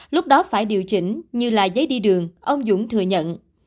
lúc đó phải điều chỉnh như là giấy đi đường ông dũng thừa nhận